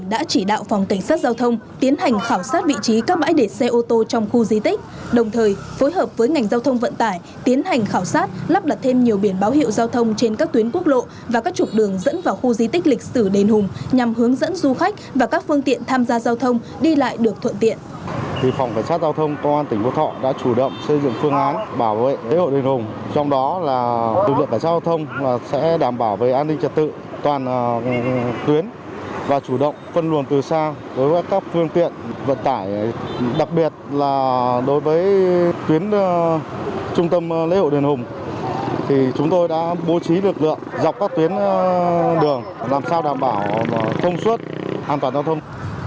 và chủ động phân luồng từ xa với các phương tiện vận tải đặc biệt là đối với tuyến trung tâm lễ hội đền hùng thì chúng tôi đã bố trí lực lượng dọc các tuyến đường làm sao đảm bảo thông suất an toàn giao thông